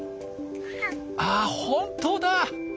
あ本当だ！